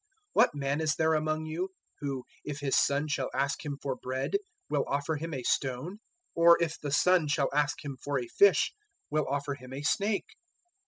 007:009 What man is there among you, who if his son shall ask him for bread will offer him a stone? 007:010 Or if the son shall ask him for a fish will offer him a snake?